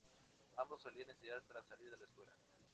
Ambos solían ensayar tras salir de la escuela.